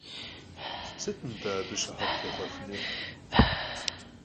Sıt at'e abı şıhet têxhuefınur?